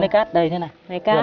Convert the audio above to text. này cát đây thế này